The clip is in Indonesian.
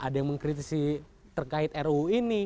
ada yang mengkritisi terkait ruu ini